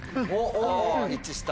お一致した？